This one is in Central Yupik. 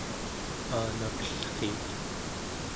aanakellriit